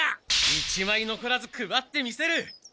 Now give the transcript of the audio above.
一枚のこらず配ってみせる！